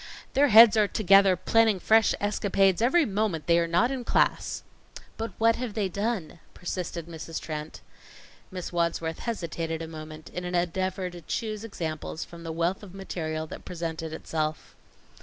"Their heads are together planning fresh escapades every moment they are not in class." "But what have they done?" persisted Mrs. Trent. Miss Wadsworth hesitated a moment in an endeavor to choose examples from the wealth of material that presented itself.